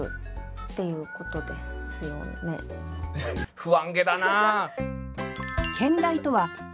不安げだな。